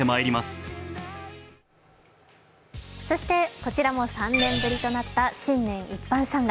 こちらも３年ぶりとなった新年一般参賀。